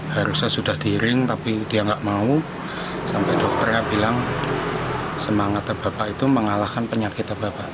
harusnya sudah diiring tapi dia nggak mau sampai dokternya bilang semangatnya bapak itu mengalahkan penyakitnya bapak